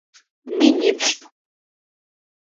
Миниплӏ.